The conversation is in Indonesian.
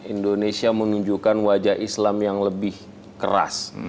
indonesia menunjukkan wajah islam yang lebih keras